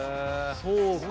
そうか。